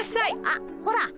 あっほら。